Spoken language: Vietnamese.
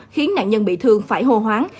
khiến nạn nhân bị thương phải hô hoáng